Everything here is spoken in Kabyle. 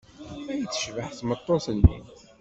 Ay tecbeḥ tmeṭṭut-nni!